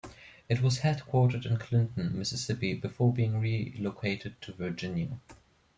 It was headquartered in Clinton, Mississippi, before being relocated to Virginia.